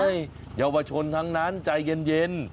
เยาวชนทั้งนั้นใจเย็น